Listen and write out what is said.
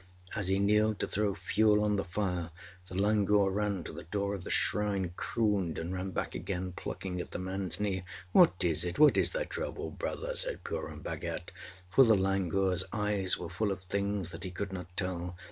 â As he kneeled to throw fuel on the fire the langur ran to the door of the shrine, crooned and ran back again, plucking at the manâs knee. âWhat is it? What is thy trouble, Brother?â said Purun Bhagat, for the langurâs eyes were full of things that he could not tell.